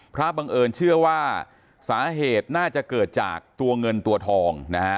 บังเอิญเชื่อว่าสาเหตุน่าจะเกิดจากตัวเงินตัวทองนะฮะ